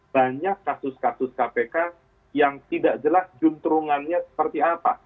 banyak kasus kasus kpk yang tidak jelas juntrungannya seperti apa